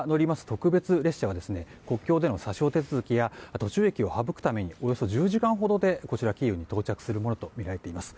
特別列車は国境での査証手続きや手続きを省くためにおよそ１０時間ほどでキーウに到着するものとみられています。